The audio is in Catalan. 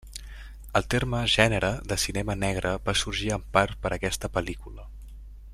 El terme gènere de cinema negre va sorgir en part per aquesta pel·lícula.